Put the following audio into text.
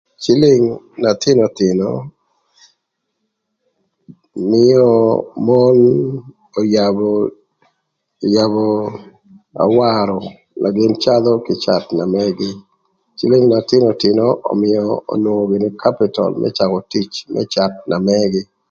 Cïlïng na thïnöthïnö mïö mon öyabö öyabö awarö na gïn cadhö kï cath na mëgï, cïlïng na thïnöthïnö ömïö onwongo gïnï kapïtöl më cakö tic na mëgï.